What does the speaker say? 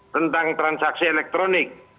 tentang transaksi elektronik